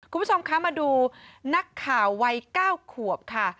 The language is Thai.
คุณผู้ชมคะมาดูนักข่าววัย๙ขวบค่ะ